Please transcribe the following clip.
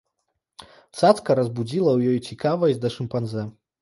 Цацка разбудзіла ў ёй цікавасць да шымпанзэ.